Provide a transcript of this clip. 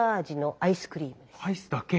アイスだけ？